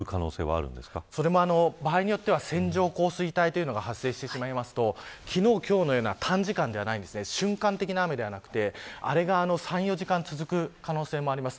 今回みたいなゲリラ豪雨的な強さで場合によっては線状降水帯が発生してしまいますと昨日、今日のような短時間ではない瞬間的な雨ではなくてあれが３、４時間続く可能性もあります。